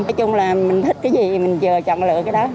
nói chung là mình thích cái gì thì mình chờ chọn lựa cái đó